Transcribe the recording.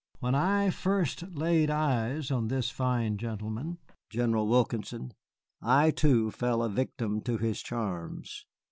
When first laid eyes on this fine gentleman, General Wilkinson, I too fell a victim to his charms.